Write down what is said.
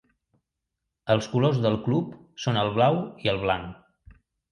Els colors del club són el blau i el blanc.